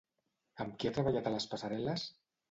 Amb qui ha treballat a les passarel·les?